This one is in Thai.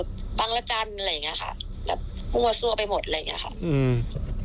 ตั้งละจันทร์อะไรอย่างเงี้ยค่ะแบบพูดว่าซั่วไปหมดอะไรอย่างเงี้ยค่ะอืม